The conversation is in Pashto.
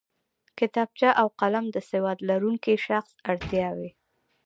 کتابچه او قلم د سواد لرونکی شخص اړتیا وي